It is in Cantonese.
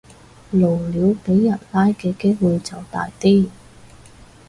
露鳥俾人拉嘅機會就大啲